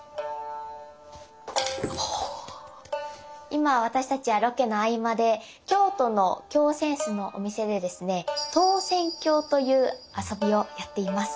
今私たちはロケの合間で京都の京扇子のお店でですね「投扇興」という遊びをやっています。